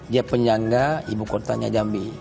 dia penyangga ibu kotanya jambi